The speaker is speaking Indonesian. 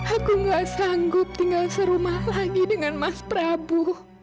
aku gak sanggup tinggal serumah lagi dengan mas prabu